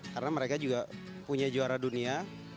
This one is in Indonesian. karena mereka juga punya juara dunia